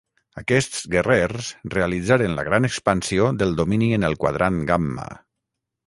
Aquests guerrers realitzaren la gran expansió del Domini en el Quadrant Gamma.